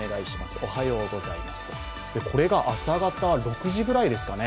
これが朝方、６時ぐらいですかね。